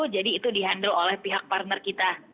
jadi itu di handle oleh pihak partner kita